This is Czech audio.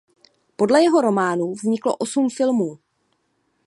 Podle jeho románů vzniklo osm filmů.